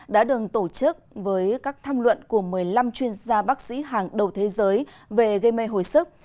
đã được tổ chức với các tham luận của một mươi năm chuyên gia bác sĩ hàng đầu thế giới về gây mê hồi sức